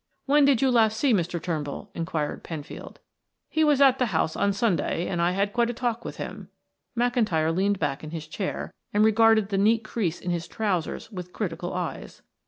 "When did you last see Mr. Turnbull?" inquired Penfield. "He was at the house on Sunday and I had quite a talk with him," McIntyre leaned back in his chair and regarded the neat crease in his trousers with critical eyes.